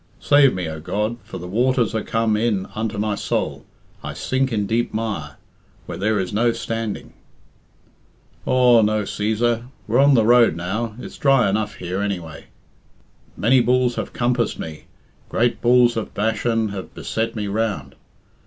Save me, O God, for the waters are come in unto my soul, I sink in deep mire, where there is no standing.'" "Aw, no Cæsar, we're on the road now. It's dry enough here, anyway." "'Many bulls have compassed me; great bulls of Bashan have beset me round.